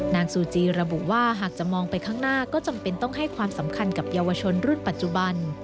ซูจีระบุว่าหากจะมองไปข้างหน้าก็จำเป็นต้องให้ความสำคัญกับเยาวชนรุ่นปัจจุบัน